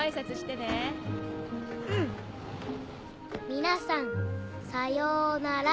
皆さんさようなら。